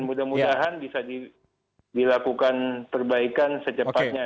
mudah mudahan bisa dilakukan perbaikan secepatnya